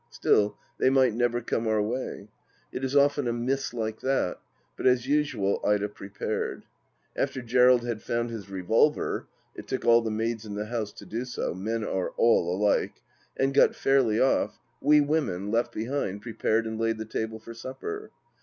Still, they might never come our way ?... It is often a miss like that, but as usual Ida prepared. After Gerald had found his revolver — it took all the maids in the house to do so ; men are all alike — and got fairly off, we women, left behind, prepared and laid the table for supper.